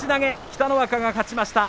北の若が勝ちました。